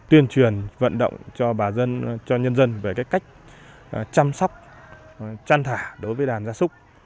tuyên truyền vận động cho bà dân cho nhân dân về cách chăm sóc chăn thả đối với đàn gia súc